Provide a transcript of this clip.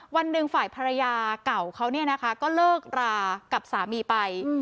วันหนึ่งฝ่ายภรรยาเก่าเขาก็เลิกรากับสามีไป